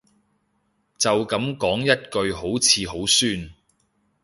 就噉講一句好似好酸